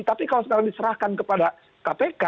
tapi kalau sekarang diserahkan kepada kpk